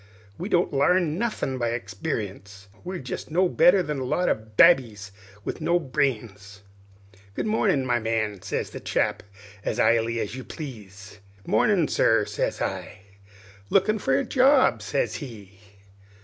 We don't larn nothin' by exper'ence; we're jest no better than a lot of babys with no brains. "'Good mornin', my man,' sez the chap, as iley as you please. "'Mornin', sir,' sez I. "'Lookin' for a job?' sez he.